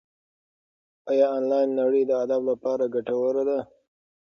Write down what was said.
ایا انلاین نړۍ د ادب لپاره ګټوره ده؟